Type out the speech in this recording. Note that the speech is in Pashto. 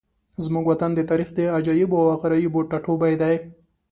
زموږ وطن د تاریخ د عجایبو او غرایبو ټاټوبی دی.